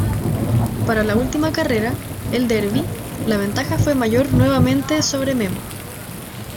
Para la última carrera, El Derby, la ventaja fue mayor nuevamente sobre Memo.